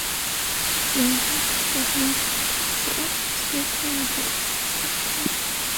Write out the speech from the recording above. Round-necked resonator guitars set up for steel playing fall into this category.